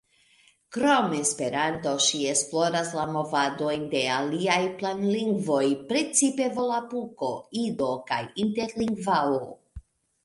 Krom Esperanto ŝi esploras la movadojn de aliaj planlingvoj, precipe volapuko, ido kaj interlingvao.